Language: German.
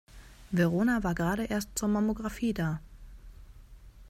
Verona war gerade erst zur Mammographie da.